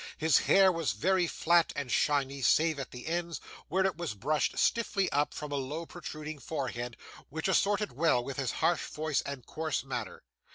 His hair was very flat and shiny, save at the ends, where it was brushed stiffly up from a low protruding forehead, which assorted well with his harsh voice and coarse manner.